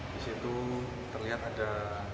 disitu terlihat ada